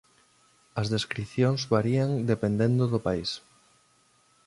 As descricións varían dependendo do país.